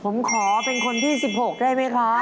ผมขอเป็นคนที่๑๖ได้ไหมคะ